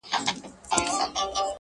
سلمانۍ کي خسته کوونکی انتظار وکړې